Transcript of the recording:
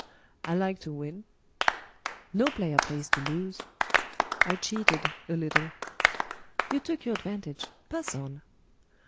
"I like to win." "No player plays to lose." "I cheated a little." "You took your advantage. Pass on."